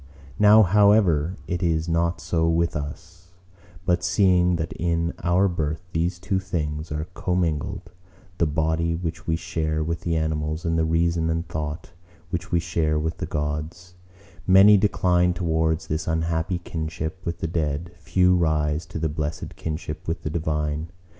Now however it is not so with us: but seeing that in our birth these two things are commingled—the body which we share with the animals, and the Reason and Thought which we share with the Gods, many decline towards this unhappy kinship with the dead, few rise to the blessed kinship with the Divine.